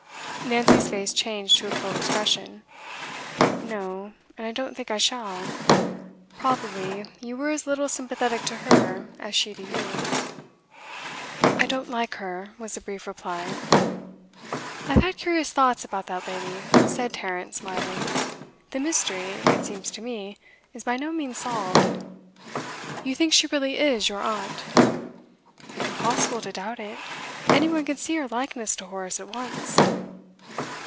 Nancy's face changed to a cold expression. 'No. And I don't think I shall.' 'Probably you were as little sympathetic to her as she to you.' 'I don't like her,' was the brief reply. 'I've had curious thoughts about that lady,' said Tarrant, smiling. 'The mystery, it seems to me, is by no means solved. You think she really is your aunt?' 'Impossible to doubt it. Any one could see her likeness to Horace at once.